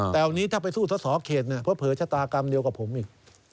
แต่วันนี้ถ้าไปสู้ทศเข็ดเพย์ชะตากรรมเดียวกับผมอีก